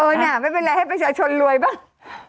โอ้น่ะไม่เป็นไรให้ประชาชนรวยบ้าง